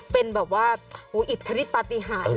เป็นแบบว่าอิทธิฤทธปฏิหาร